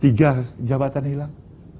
tiga jabatan hilang